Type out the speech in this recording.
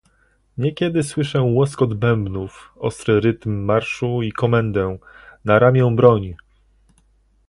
"Niekiedy słyszę łoskot bębnów, ostry rytm marszu i komendę: na ramię broń!..."